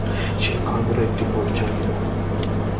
সেই ঘরগুলোর একটু পরিচয় দেব।